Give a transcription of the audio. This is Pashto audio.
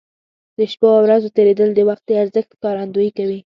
د شپو او ورځو تېرېدل د وخت د ارزښت ښکارندوي کوي.